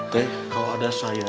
teh kalau ada saya